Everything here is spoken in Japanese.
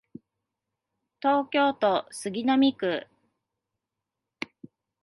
東京都杉並区